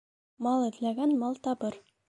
Мал эҙләгән мал табыр